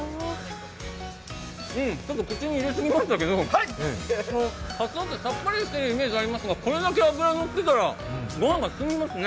口に入れすぎましたけど、かつおってさっぱりしているイメージありますけど、これだけ脂のってたら、御飯が進みますね。